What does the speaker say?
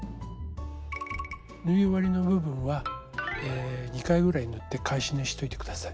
縫い終わりの部分は２回ぐらい縫って返し縫いしといて下さい。